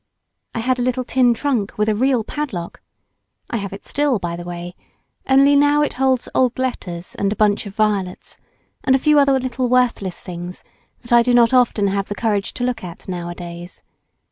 I had a little tin trunk with a real padlock; I have it still, by the way, only now it holds old letters and a bunch of violets and a few other little worthless things that I do not often have the courage to look at nowadays.